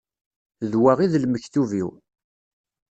D wa i d lmektub-iw.